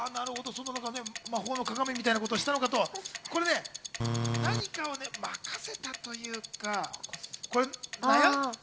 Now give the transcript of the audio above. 魔法の鏡みたいなことをしたのかって、何かをまかせたというか。